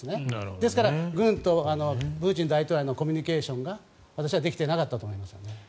ですから、軍とプーチン大統領のコミュニケーションが私はできていなかったと思いますね。